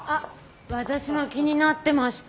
私も気になってました。